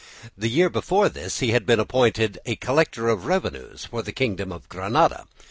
The year before this he had been appointed a collector of revenues for the kingdom of Granada.